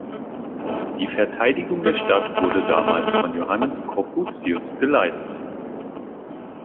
Die Verteidigung der Stadt wurde damals von Johannes Corputius geleitet.